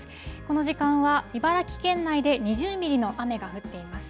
この時間は茨城県内で２０ミリの雨が降っています。